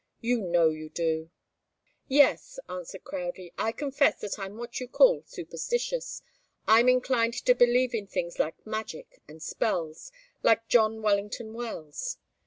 You know you do." "Yes," answered Crowdie. "I confess that I'm what you call superstitious. I'm inclined to believe in things like magic and spells like John Wellington Wells.